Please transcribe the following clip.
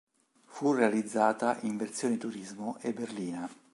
Fu realizzata in versione turismo e berlina.